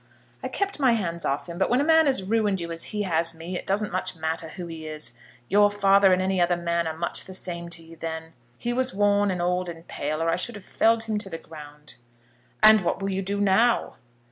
"I kept my hands off him; but when a man has ruined you as he has me, it doesn't much matter who he is. Your father and any other man are much the same to you then. He was worn, and old, and pale, or I should have felled him to the ground." "And what will you do now?"